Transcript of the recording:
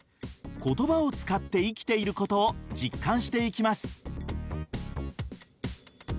言葉を使って生きていることを実感していきます。